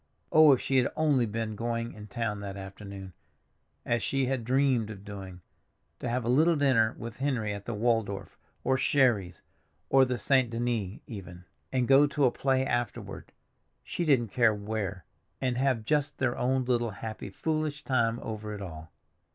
Oh, if she had only been going in town that afternoon, as she had dreamed of doing, to have a little dinner with Henry at the Waldorf, or Sherry's, or the St. Denis even—and go to a play afterward—she didn't care where—and have just their own little happy foolish time over it all!